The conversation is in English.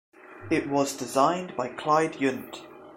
It was designed by Clyde Jundt.